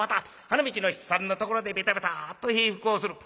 花道の七三のところでベタベタッと平伏をする。